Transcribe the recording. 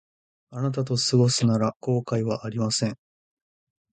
あなたと過ごすなら後悔はありません